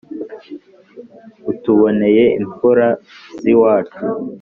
utuboneye imfura z'iwacu